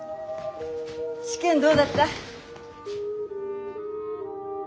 試験どうだった？